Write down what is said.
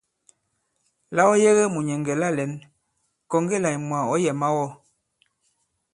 La ɔ yege mùnyɛ̀ŋgɛ̀ la lɛ̌n, kɔ̀ŋge là ìmwà ɔ̌ yɛ̀ mawɔ.